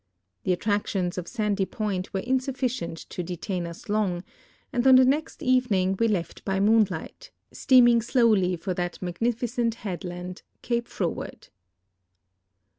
The attractions of Sandy I'oint were insullicient to detain us long, and on tb*; next evening we left \>y moonlight, steaming slowly for that niiignifieent head land, Cajx; Froward.